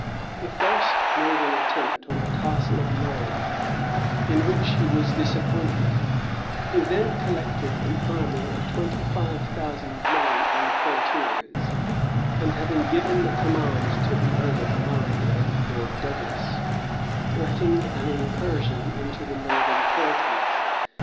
He first made an attempt on the Castle of Norham, in which he was disappointed; he then collected an army of twenty five thousand men on the frontiers, and having given the command to the earl of Murray and Lord Douglas, threatened an incursion into the northern counties.